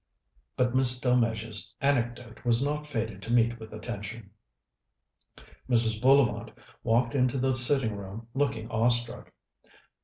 But Miss Delmege's anecdote was not fated to meet with attention. Mrs. Bullivant walked into the sitting room looking awestruck.